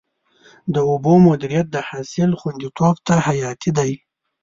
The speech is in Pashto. د اوبو مدیریت د حاصل خوندیتوب ته حیاتي دی.